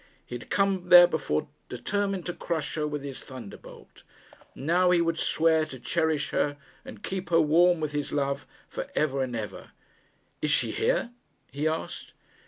He had come there before determined to crush her with his thunderbolt. Now he would swear to cherish her and keep her warm with his love for ever and ever. 'Is she here?' he asked.